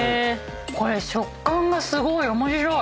これ食感がすごい面白い。